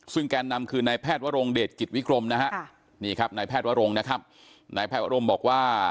ซึ่งแกะนำคือนายแพทย์ว่ารงเดชฯกิตวิกรมน้ายแพทย์ว่ารงบอกว่า